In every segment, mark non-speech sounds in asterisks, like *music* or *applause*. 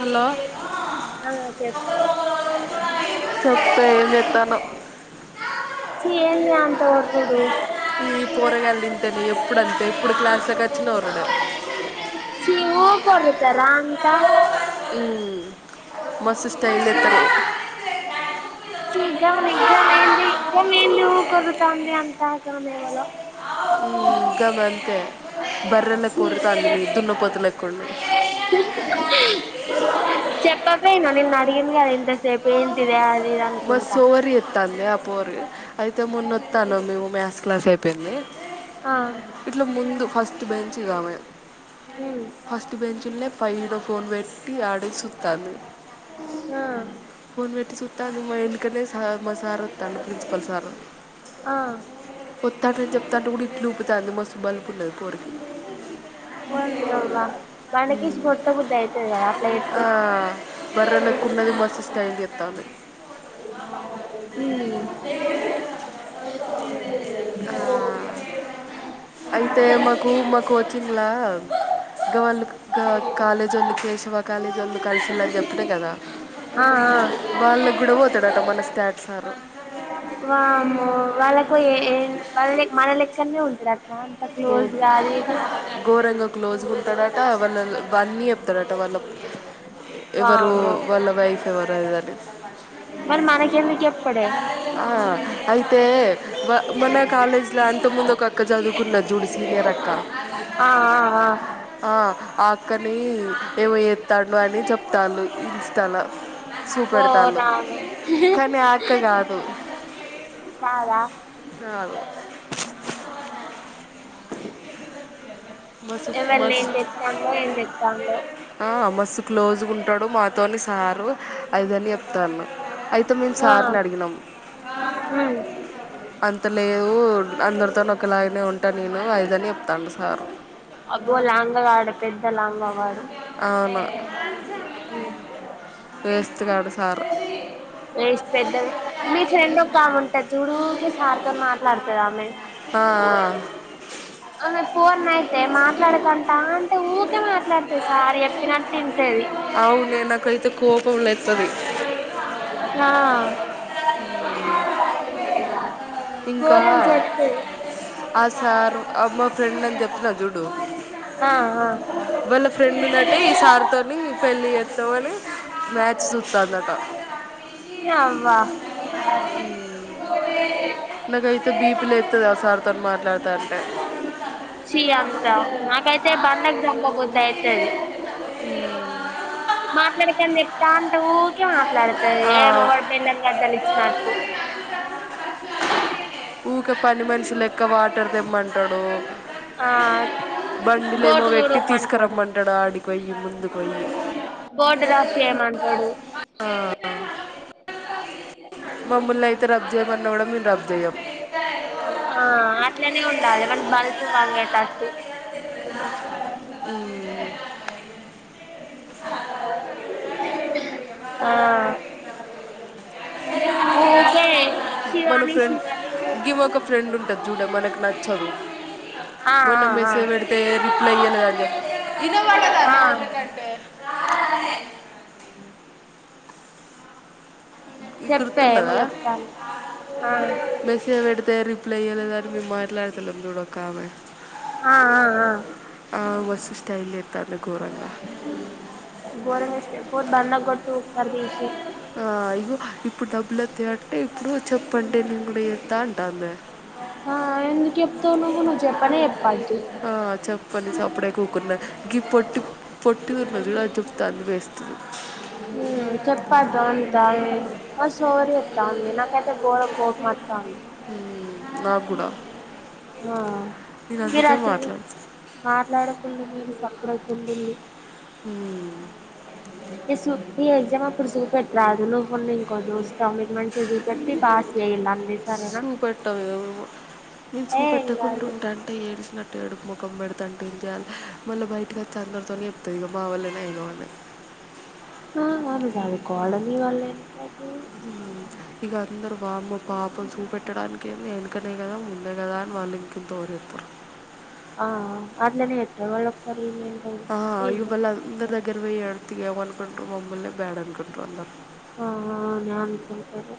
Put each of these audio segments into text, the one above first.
Hello అ చె చెప్పే ఏం చేత్తన్నావ్ చి ఏంది అంత *unintelligible* ఈ పోరగాళ్ళు ఇంతేనే ఎప్పుడు అంతే ఇప్పుడు క్లాస్లోకి వచ్చిన ఒర్రుడే చీ ఊపరు చరాన్ తామ్ ఓ మ్ మస్తు స్టైల్ ఛీ చేత్తరు గమనిగ్గానేంది గవేంది *unintelligible* సామి అంత *unintelligible* ఇంకా బంతే బర్రలే ఛీ *unintelligible* దున్నపోతులేక్కున్నాయి చెప్పపే ననిన్ అడిగిండు కదా ఇంత సేపు ఏంటిదా బస్ సోవరి ఎత్తందా పోరు అయితే మొన్నొత్తన్నం మేము మ్యాస్ క్లాస్ అయిపోయింది ఆ ఇట్లా ముందు ఫస్ట్ బెంచ్ గా మేము ఉమ్ ఫస్ట్ బెంచుల్నే పైన ఫోన్ పెట్టి ఆడే సూత్తాంది ఆ తండు మా వెనుకనే స మా సార్ వత్తాండు, ప్రిన్సిపల్ సారు ఆ వత్తాండు అని చెప్తాంటే కూడా ఇట్లు ఊపుతాంది మస్సు బల్. కున్నది పోరికి పోనీయవ్వ బండకేసి కొట్టబుద్ధి అయితది కదా అట్లా చెప్తే ఆ బర్రెలెక్కున్నది మస్త్ స్టైల్ జేత్తాంది. మ్మ్ కు మా కోచింగ్లా ఇంక వాళ్ళు కాలేజీవోళ్ళు కేశవ కాలేజీ వాళ్ళు కలిషిల్లని చెప్పినం కదా, ఆ ఆ వాళ్ళ వామ్మో వాళ్ళకు ఏ వాళ్ళే మన లెక్కన్నే ఉంటడా నాంత ఓ- క్లోజ్ గా అది ఇది ఘోరంగా క్లోజుగుంటడట వాళ్ళ వన్నీ చెప్తాడట వాళ్ళక్ ఎవరు వామ్మో వాళ్ళ వైఫ్ ఎవరు అదని. మరి మనకెందుకు చెప్పడే ఆ అయితే వ మన కాలేజీ లో అంత ముందు ఒక అక్క చదువుకున్నది చూడు. నివేదక్క ఆ ఆ ఆ ఆ అక్కనీ హ్మ్ ఏమో చేత్తండు అని చెప్తాల్లు ఇన్స్టా లో ఓ చూపెడుతాళ్ళు, రాము కానీ ఆ రాదు కాద మసుక్ ఎవళ ఏం మసుక్ చెప్తాందో ఏం చెప్తాందో ఆ మసు క్లోజ్ గుంటడు మాతోని సారు అదని చెప్తాను అయి మొత్తమ్ మేం ఆ సార్ని అడిగినాం ఉమ్ అంతలేదు హమ్ అందరితోను ఒక లాగనే ఉంటాడు నేను రాయిదని చెప్తాడు సార్ అబ్బో లాంగ గాడు పెద్ద లాంగ వాడు అవును తెస్తివ ఎస్ పెద్దది మీ ఫ్రెండ్ ఒక కాముంటది చూడు కే సార్ మాట్లాడుతద ఆమె ఆమె ఫోన్ అయితే మా మాట్లాడకంట అంటే వురికే మాట్లాడతే సార్ చెప్పిన టిన్ అవునే నా కైతే కో ఆ ఇంకా ఘోరం జర్తది ఆ సార్ అమ్మ ఫ్రెండ్ అని చెప్తున్నా చూడు ఆ ఆ వాళ్ళ ఫ్రెండెంట్ ఈ సార్ తోని పెళ్లి చేతమని అబ నాకైతే బీపీ లేస్తుంది ఆ సార్తో మాట్లాడుతా అంటే చీ అంత నాకైతే బండకు చంపబద్ద అయితది మాట్లాడకనీ తాంట ఊరికే మాట్లాడతే ఏమో బెల్ం గదరించి ఊక పని మనుషులుెక్క వాటర్ తెమ్మంటడు ఆ బండిలుమో బోర్డు పెట్టి తుడవమంటడు తీసుకురమ్మంటడు అడికిపోయి ముందుకు పోయి టడు ఆ, అ మమ్మల్ని అయితే రబ్ చేయమన్నా కూడా మేము రబ్ చేయం ఆ అట్లనే ఉండాలి వాని బలుపు వంగేటటు ఉమ్, ఆ ఓకే మన ఫ్రెండ్ గిం ఒక ఫ్రెండ్ ఉంటుంది చూడే మనకు నచ్చదు ఆ మొన్న ఆ ఆ మెసేజ్ పెడితే రిప్లై ఇయ్యలే అని చెప్పి ఆ ఇనవడదానే ఒరకు అంటే ఈ చెప్పే ఏమో గుర్తున్నదా చెప్తాను ఆ మెసేజ్ పెడితే రిప్లై ఇయలేదు అని మేం మాట్లాడుతలేమ్ చూడు కావయి ఆ ఆ ఆ మస్తు స్టైల్ చేస్తాను ఘోరంగా గోరంగా స్టెప్ దండకొట్టు పరదేశీ ఆ, ఇగో ఇప్పుడు డబ్బులు వస్తాయి అంటే ఇప్పుడు చెప్పు అంటే నేను కూడా చేత్తా అంటాంది. ఆ ఎందుకు చెప్తావు నువ్వు నువ్వు చెప్పనే చెప్పాద్దు ఆ చెప్పని చప్పుడే కుకున్నా గి పొట్టి, పొ టూర్ నదు కూడా చూప్తా, అని వేస్తుంది. హ్మ్ చెప్పదా, అందాన్ మస్త్ ఓవర్ చేతంది. నాకు అయితే గోరం కోపం మాతాంది. నాకు కూడా ఆ నేను మీరు అందుకే అసలు కు మాట్లాడుతాను మాట్లాడకు *unintelligible* సప్పుడు అవుకుండుంది. హ్మ్మ్ ఎ సూప్పి ఏ ఎగ్జామ్ అప్పుడు చూపెట్ రాదు. నువ్వు ఉన్న ఇంకో దోస్త్, ఆమెకు మంచిగా చూపెట్టి పాస్ చేయూర్లి అన్ని సూపెట్టవేమో నేను ఏం సుపెట్టకుంటు కాదు ఉంటాంటే ఏం నట్టేడు ముఖం పెడుతాన్టే ఇంకేమ్, మళ్ళా బయటకి వచ్చి అందరితోనే చెప్తుంది. ఇక మా వళ్ళనే ఏం గానే ఆ ఆను సదుకోవాల నీ వల్లెతె హ్మ్ ఇంగ అందరూ బామ్మె పాపం చూపెట్టడానికి, ఏ నీవెనకనే కదా ముందే కదా, అని వాళ్ళు ఇంకింత ఓవర్ల్చేత్తారు. ఆ అట్లానేత్తరు. వాళ్లు ఒకసారి ఇమేన్ ఆ ఇవ్వల్ల అందరి దగ్గర వేయు అడిగితే, ఎవ్వర్ ఇప్పుడంట్ర్ మమ్మల్నే, బ్యాడ్ అనుకుంట్రు అందర్ ఆ న్యానుకుంటేనే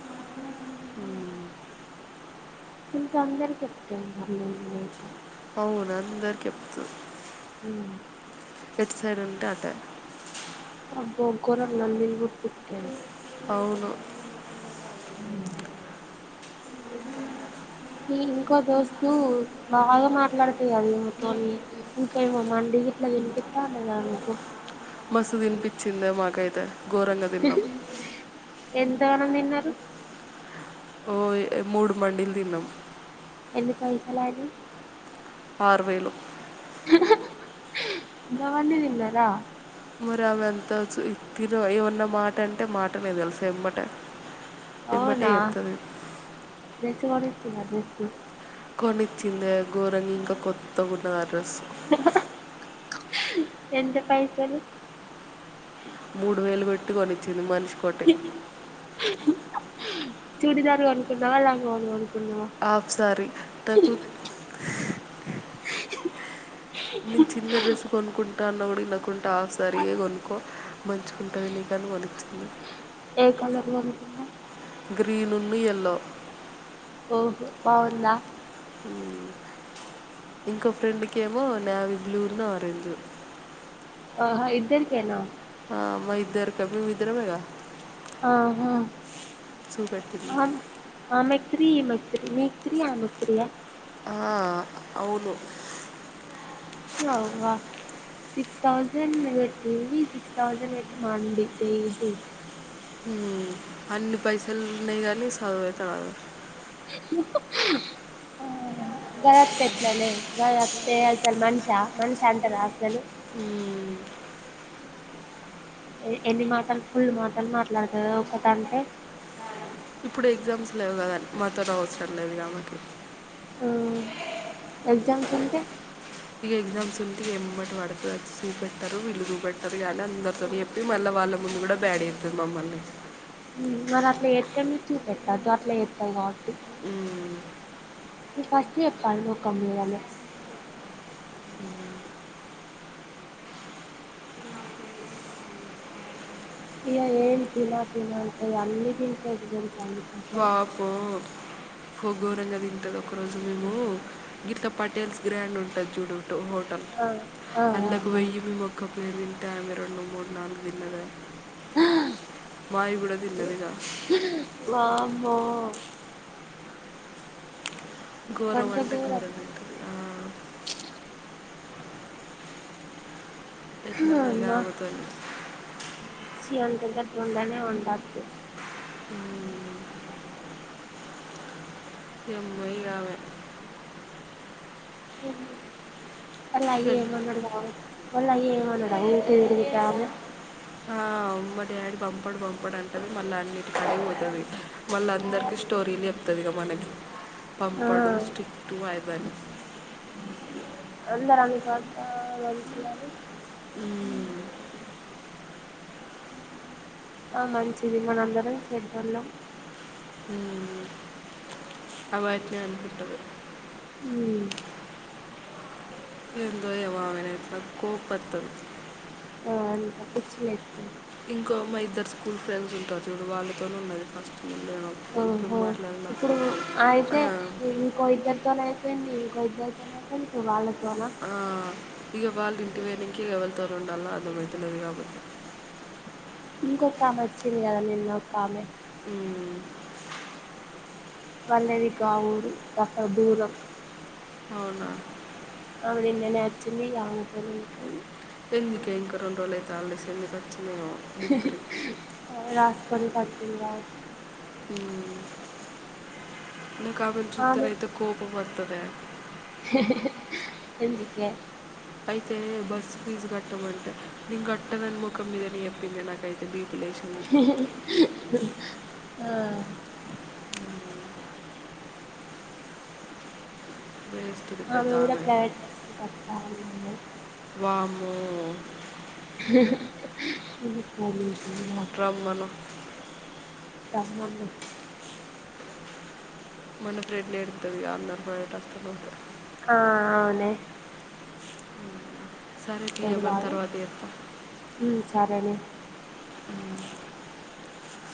ఇంకా అందరికి చెప్పుతున్న, నేనైతే అవును అందరికి చెప్తు సరే ఉంటతా ప్చ్ అబ్బో గోరంగానిల్లు పుట్టితది. అవును నీ ఇంకో దోస్తు బాగానే మాట్లాడుతదిగా, అదిమ్ మీతోని ఇంకా ఏమో మండి గిట్లా తినిపిత్త అన్నది. కదా మీకు మస్త్ తిన్పిచ్చిందే, మాకైయి తే హ్మ్హు ఎంతగానం తిన్నారు. ఓయ్ ఇ మూడు మండీల్ తిన్నాం. ఎన్ని పైసలైయింది. ఆర్ వేల్లు గవన్నీ తిన్నారా మరి ఆమె తెల్సు ఇది తిను, ఏమన్న మాట అంటే మాటనే తెలుసా వెమ్మట అవునా కొనిచ్చిందే గోరన్ ఇంకా, కొత్తగ కుట్నా ఆ డ్రెస్స్ ఎంత పైసలు మూడు వేలు వెట్ ట్టి కొనిచ్చింది. మంచ్ కోట్టే చూడిదార్ కొనుక్కున్నావా లంగ వోణి కొనుక్కు ఆఫ్ సారీ నాకు నేను చిన్న డ్రెస్ కొనుకున్ టా అన్న కూడ వినకుంట హాఫ్ సారీయే కొనుక్కో మంచిగా ఉంటది నీకు అని కొనిచ్చిన ఏ కలర్ కొనుక్కున్నవ్ గ్రీనున్ను ఎల్లో ఓహో బాగుందా? మ్మ్ ఇంకో ఫ్రెండ్కి ఏమో నావి బ్లూ ను ఆరెంజు అ హా ఇద్దరికేనా? ఆ మా ఇద్దరికబి మేమిద్దరమే గా ఆ హా సూపెట్ ది త్రీ మెక్ త్రి నీకు త్రీ ఆమెకు త్రీయా ఆ అవును వావ్ వా సిక్స్ థౌసండ్ పెట్టి సిక్స్ థౌసండ్ పెట్టి మండి ది ది మ్మ్ అన్ని పైసల్ ఉన్నాయి కానీ సదువు అయితే రాదు. ఆ గర తెట్లనే గరస్తే అసలు మన్షా మన్షా అంటారా అసలు. ఎ ఎన్ని మాటలు ఫుల్ మాటలు మాట్లాడుతది ఒకటంటే ఇప్పుడు ఎగ్జామ్స్ లేవు కదా మాతోటి అవసరం లేదు ఆమెకి. మ్మ్ ఎగ్జామ్స్ అంటే ఇగ ఎగ్జామ్స్ ఉంటే ఏమ్మటి పడుత చూపెట్టరు వీళ్ళు చూపెట్టరు అయిన అందరి తోటి చెప్పి మళ్ళ వాళ్ళ ముందు కూడ బ్యాడ్ చేత్తది మమ్మల్ని. మ్మ్ మరి అట్ల చె ప్తే మీరు చూపెట్టద్దు అట్ల చెప్తది కాబట్టి మ్మూ మీర్ ఫస్ట్ చెప్పండి మొఖం మీదనే. ఇగ ఏం తిన తిన అంటే ఇగ అన్ని తింటది తెలుసా అసలు వామ్మో గో ఘోరంగా తింటది ఒకరోజు మేము గిట్ల పటేల్స్ గ్రాండ్ ఉంటది చూడు అటు హోటల్ ఆ ఆ ఆ అండ్లకు ఆ వొయ్యి మేము ఒక్క ప్లేటు తిం టే ఆమె రెండు మూడు నాలుగు తిన్నదే మాయి గూడ తిన్నది ఇగ. మ్మో ఘోరం గంత అంటే ఘోరం గోరమా తింటది మ్మ్ మ్హ్ ఎట్లనో ఇక అమ్మా ఆమెతోని చీ *unintelligible* ఉండనే ఉండద్దు మ్మూ ఎం వెయగావే అ అల్లా అయ్య పెళ్ళి ఏమన్నడు‌ గావచ్చు వాళ్ళ అయ్య ఏమనడా ఇంత తింటామే ఆ మా డాడీ పంపడు పంపడు అంటది మళ్ళ అన్నిటి కాడికి పోతది. మళ్ళ అందరికీ స్టోరీలు చెప్తది ఇగ మనకి. ఆ పంపడు స్టిక్టు అయి బని అందరనుకోద్ద మంచిదని మ్మ్ ఆ మంచిది మనందరం చెడ్డోల్లం మ్మ్ అవట్లే అంకుట్టది ఉమ్ ఎందోయో బాబు ఒకసారి కోప్మొత్తది అంక పిచ్చి లేత్తుంది మా ఇద్దరు స్కూల్ ఫ్రెండ్స్ ఉంటారు చూడు వాళ్ళతోనే ఉన్నది ఫస్ట్ ను ఇప్పుడు ఓహో మ ఇప్పుడు అయితే ఇంకో ఇద్దరితోనే అయిపోయింది ఇంకో ఇద్దరు *unintelligible* వాళ్ళ తోనా ఇగ వాళ్ళు ఇంటి పోయినంక ఈ ఎవల్తో ఉండాల అర్థ మైతలేదు కాబట్టి ఇంకొ ఆమె వచ్చింది కద నిన్న ఒక ఆమె మ్మ్ వాళ్ళది గా వురు అక్కడ దూరం అవునా అమే నిన్ననేచంది ఇగ అమే తోనీ వున్న ఎందుకే ఇంక రెండోలు హాలిడేస్ ఎందుకోచ్ హాస్పిటల్ వచ్చిందా హ్మ్ నీకా చుద్దర ఆమె ఐతే కోపం వద్ తదే ఎందుకే అయితే బస్సు ఫీజ్ కట్టమంట నిం గట్ట నన్ మొకం మీదే ఎప్పింది నాకైతే బీ ఆ వేస్తుంది పెద్ద ఆది కూడ ఆమె క్యారెక్టర్ లెస్ అంట అమే వామ్మో రమ్మను *inaudible* రమ్మను మన ప్రెడ్ ఎడు దవి అన్న బటస్తా ఆ ఆ అవునే సరే తీయ ఏడు మరి బాల తర్వాత చెప్తా సరేనే అ